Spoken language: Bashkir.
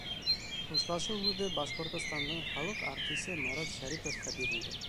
Хушлашыу һүҙе Башҡортостандың халыҡ артисы Марат Шәриповҡа бирелде.